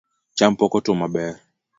Cham pok otuo maber